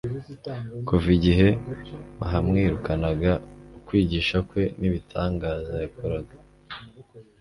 Kuya igihe bahamwirukanaga, ukwigisha kwe n'ibitangaza yakoraga